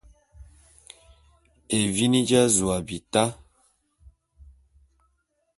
Evini dja’azu a bita.